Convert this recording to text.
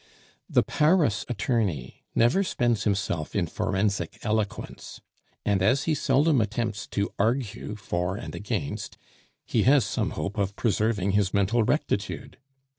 The Paris attorney never spends himself in forensic eloquence; and as he seldom attempts to argue for and against, he has some hope of preserving his mental rectitude.